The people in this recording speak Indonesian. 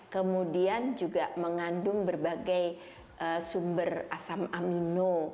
kemudian juga mengandung berbagai sumber asam amino